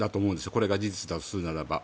これが事実だとするならば。